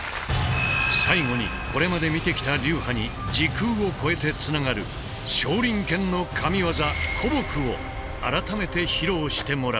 最後にこれまで見てきた流派に時空を超えてつながる少林拳の神業・虎撲を改めて披露してもらう。